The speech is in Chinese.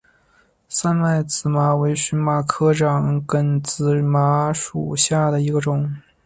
三脉紫麻为荨麻科长梗紫麻属下的一个种。